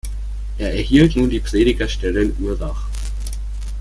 Er erhielt nun die Predigerstelle in Urach.